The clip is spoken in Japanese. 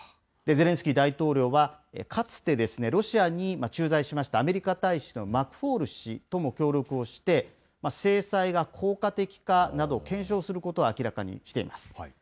ゼレンスキー大統領は、かつてロシアに駐在しましたアメリカ大使のマクフォール氏とも協力をして、制裁が効果的かなど、検証することを明らかにしています。